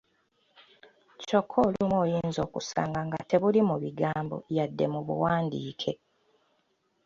Kyokka olumu oyinza okusanga nga tebuli mu bigambo yadde mu buwandiike!